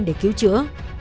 để cứu chữa